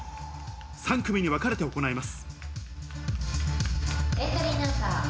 三組にわかれて行います。